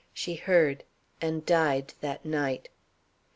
She heard, and died that night.